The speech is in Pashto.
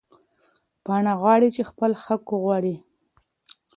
پاڼه غواړې چې خپل حق وغواړي.